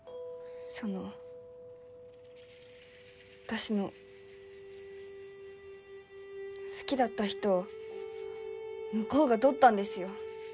その私の好きだった人を向こうが取ったんですよ。